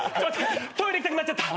トイレ行きたくなっちゃった。